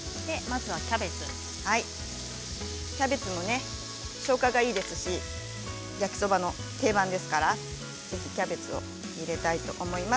キャベツも消化がいいですし焼きそばの定番ですからキャベツを入れたいと思います。